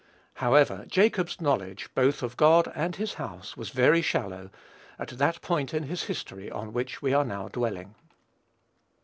However, Jacob's knowledge, both of God and his house, was very shallow, at that point in his history on which we are now dwelling.